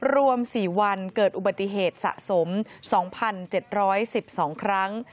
รวม๔วันเกิดอุบัติเหตุสะสม๒๗๑๒ครั้ง